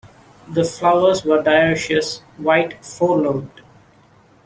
The flowers are dioecious, white, four-lobed.